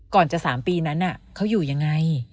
ก่อนจะ๓ปีนั้นเขาอยู่ยังไง